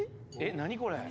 何これ？